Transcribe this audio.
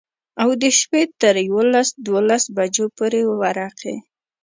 او د شپي تر يوولس دولسو بجو پورې ورقې.